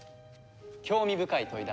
興味深い問いだ。